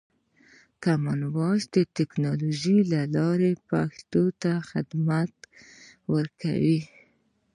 کامن وایس د ټکنالوژۍ له لارې پښتو ته خدمت ورکوي.